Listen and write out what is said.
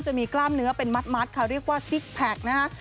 จะมีกล้ามเนื้อเป็นมัดค่ะเรียกว่าซิกแพคนะคะ